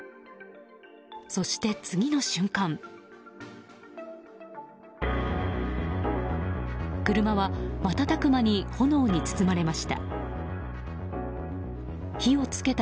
そして、次の瞬間車は瞬く間に炎に包まれました。